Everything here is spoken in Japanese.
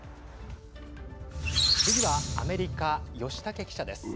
次はアメリカ、吉武記者です。